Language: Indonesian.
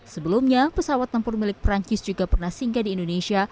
sebelumnya pesawat tempur milik perancis juga pernah singgah di indonesia